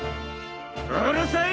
うるさい！